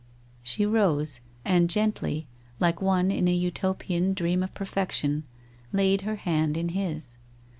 She rose, and gently, like one in an Utopian dream of perfection, laid her hand in his.